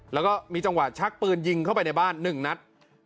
แล้วก็มีจังหวะชักปืนยิงเข้าไปในบ้าน๑นัด